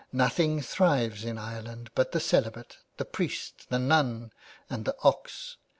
Nothing thrives in Ireland, but the celibate, the priest, the nun and the ox.